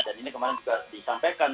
dan ini kemarin juga disampaikan